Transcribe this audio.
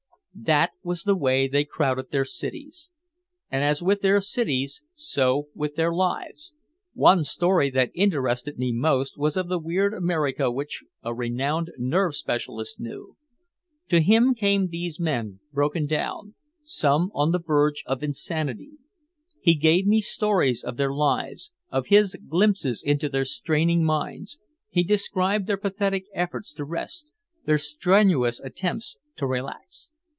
That was the way they crowded their cities, and as with their cities, so with their lives. One story that interested me most was of the weird America which a renowned nerve specialist knew. To him came these men broken down, some on the verge of insanity. He gave me stories of their lives, of his glimpses into their straining minds, he described their pathetic efforts to rest, their strenuous attempts to relax.